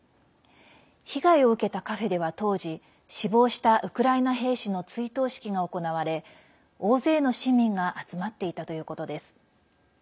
被害を受けたカフェでは当時死亡したウクライナ兵士の追悼式が行われ大勢の市民が集まっていたということです。